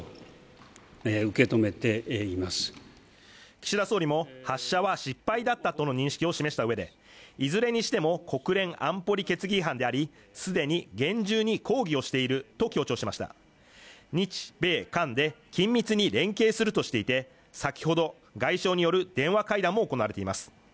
岸田総理も発射は失敗だったとの認識を示したうえでいずれにしても国連安保理決議違反でありすでに厳重に抗議をしていると強調しました日米韓で緊密に連携するとしていて先ほど外相による電話会談も行われています